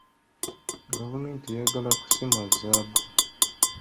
Gavumenti ayagala kusima zzaabu.